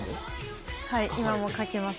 はい、今も描きます。